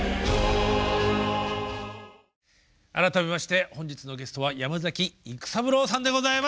改めまして本日のゲストは山崎育三郎さんでございます。